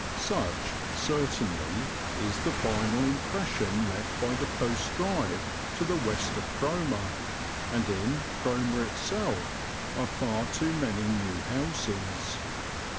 Such, certainly, is the final impression left by the coast drive to the west of Cromer, and in Cromer itself are far too many new houses.